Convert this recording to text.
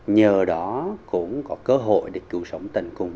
nhờ đó cũng có cơ hội để cứu sống tận cùng